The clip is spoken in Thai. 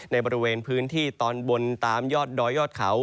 ในบริเวณพื้นที่ตอนบนตามยอดดอยยอดเขา